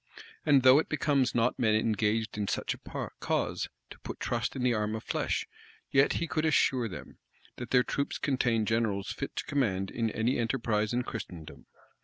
And though it becomes not men engaged in such a cause "to put trust in the arm of flesh," yet he could assure them, that their troops contained generals fit to command in any enterprise in Christendom.